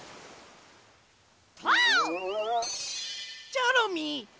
チョロミー。